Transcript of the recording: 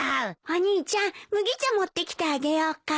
お兄ちゃん麦茶持ってきてあげようか？